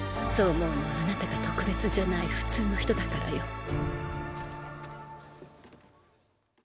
そう思うのはあなたが特別じゃない普通の人だからよ。